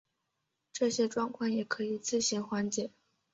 这些状况也可能自行缓解。